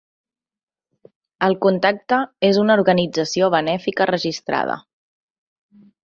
El contacte és una organització benèfica registrada.